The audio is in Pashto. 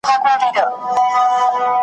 زړه مي تور له منبرونو د ریا له خلوتونو .